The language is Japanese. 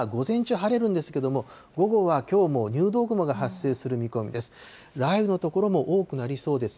きょうは、午前中は晴れるんですけれども、午後はきょうも入道雲が発生する見込みです。